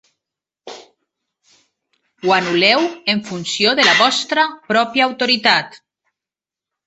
Ho anul·leu en funció de la vostra pròpia autoritat.